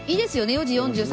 ４時４３分。